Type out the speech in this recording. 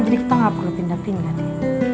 jadi kita gak perlu pindah pindah nih